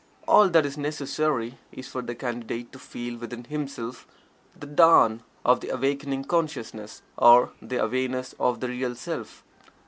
All that is necessary is for the Candidate to feel within himself the dawn of the awakening consciousness, or awareness of the Real Self.